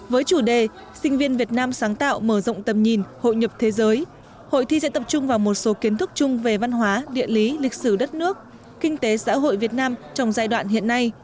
với chủ đề sinh viên việt nam sáng tạo mở rộng tầm nhìn hội nhập thế giới hội thi sẽ tập trung vào một số kiến thức chung về văn hóa địa lý lịch sử đất nước kinh tế xã hội việt nam trong giai đoạn hiện nay